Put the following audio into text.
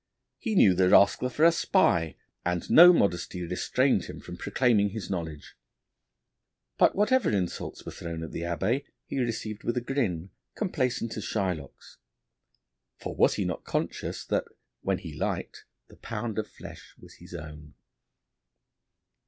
He knew the rascal for a spy, and no modesty restrained him from proclaiming his knowledge. But whatever insults were thrown at the Abbé he received with a grin complacent as Shylock's, for was he not conscious that when he liked the pound of flesh was his own!